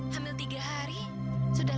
hamil tiga hari sudah